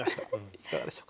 いかがでしょう？